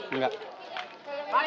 enggak takut lagi